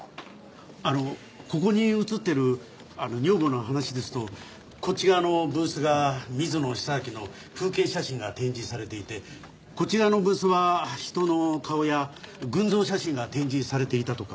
あのここに写ってる女房の話ですとこっち側のブースが水野久明の風景写真が展示されていてこっち側のブースは人の顔や群像写真が展示されていたとか。